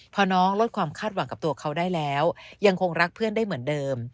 พอน้องลดความคาดหวังกับตัวเขาได้แล้วยังคงรักเพื่อนได้เหมือนเดิม